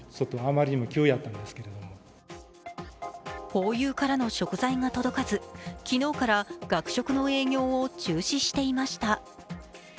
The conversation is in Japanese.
ホーユーからの食材が届かず、昨日から学食の営業を中止していました。